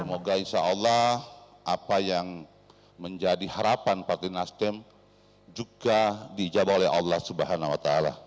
semoga insya allah apa yang menjadi harapan partai nasdem juga dijawab oleh allah swt